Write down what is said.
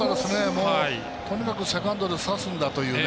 もうとにかくセカンドで刺すんだという。